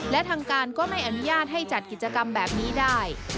และทางการก็ไม่อนุญาตให้จัดกิจกรรมแบบนี้ได้